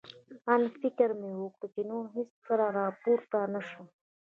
آن فکر مې وکړ، چې نور به هېڅکله را پورته نه شم.